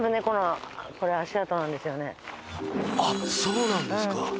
あっそうなんですか。